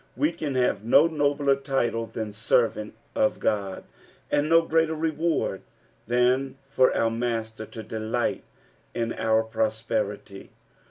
We can have no nobler title than " servant of God," and no greater reward than for our Master to delight in our prosperity.